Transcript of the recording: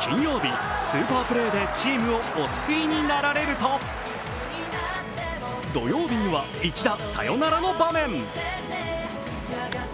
金曜日、スーパープレーでチームをお救いになられると土曜日には一打サヨナラの場面。